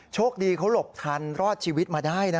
โชคดีเขาหลบทันรอดชีวิตมาได้นะ